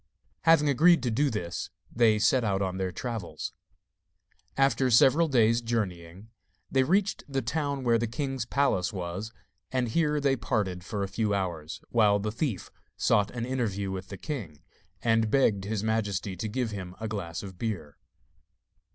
Having agreed to do this, they set out on their travels. After several days' journeying, they reached the town where the king's palace was, and here they parted for a few hours, while the thief sought an interview with the king, and begged his majesty to give him a glass of beer.